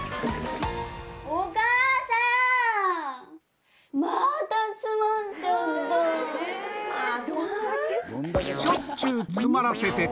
お母さん、また詰まっちゃった！